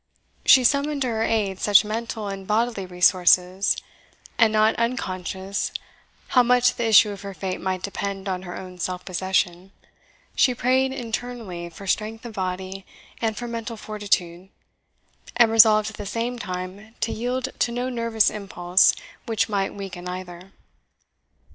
She summoned to her aid such mental and bodily resources; and not unconscious how much the issue of her fate might depend on her own self possession, she prayed internally for strength of body and for mental fortitude, and resolved at the same time to yield to no nervous impulse which might weaken either.